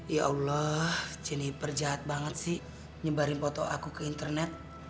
ya allah ciniper jahat banget sih nyebarin foto aku ke internet